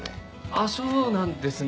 あっそうなんですね。